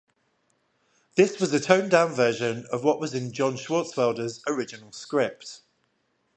This was a toned down version of what was in John Swartzwelder's original script.